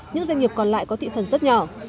những doanh nghiệp còn lại có thị phần rất nhỏ